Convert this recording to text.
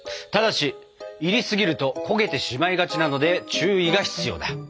ただしいりすぎると焦げてしまいがちなので注意が必要だ。